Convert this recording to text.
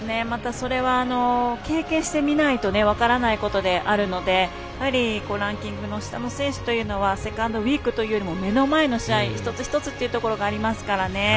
それは経験してみないと分からないことであるのでランキングの下の選手というのはセカンドウィークというより目の前の試合、一つ一つというところがあるので。